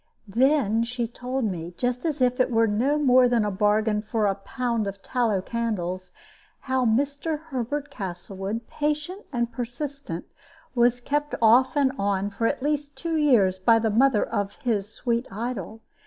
Then she told me, just as if it were no more than a bargain for a pound of tallow candles, how Mr. Herbert Castlewood, patient and persistent, was kept off and on for at least two years by the mother of his sweet idol.